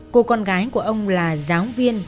cô con gái của ông là giáo viên